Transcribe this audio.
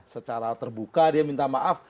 secara terbuka dia minta maaf